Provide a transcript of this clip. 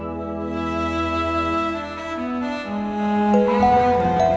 ntar ya pak